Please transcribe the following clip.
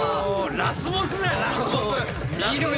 ラスボスだよ